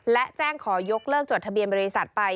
และแจ้งขอยกเลิกจดทะเบียนบริษัทไป